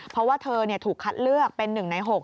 เพราะว่าเธอถูกคัดเลือกเป็น๑ใน๖